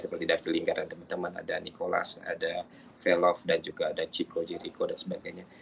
seperti davi linggar dan teman teman ada nicholas ada velov dan juga ada chico jericho dan sebagainya